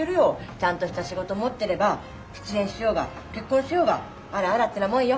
ちゃんとした仕事持ってれば失恋しようが結婚しようがあらあらってなもんよ。